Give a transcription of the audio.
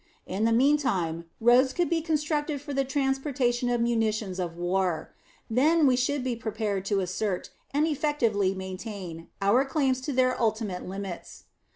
In the mean time, roads could be constructed for the transportation of munitions of war. Then we should be prepared to assert, and effectively maintain, our claims to their ultimate limits.